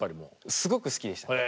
すごく好きでした。